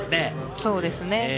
そうですね。